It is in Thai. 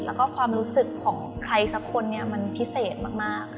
แล้วก็ความรู้สึกของใครสักคนนี้มันพิเศษมาก